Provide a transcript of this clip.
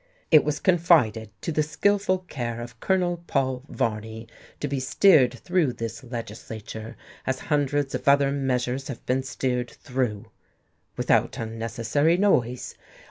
It was confided to the skillful care of Colonel Paul Varney to be steered through this legislature, as hundreds of other measures have been steered through, without unnecessary noise.